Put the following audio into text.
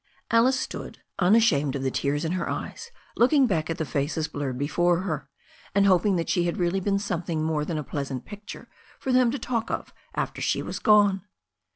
Alice stood, unashamed of the tears in her eyes, looking back at the faces blurred before her, and hoping that she had really been something more than a pleasant picture for them to talk of after she was gone.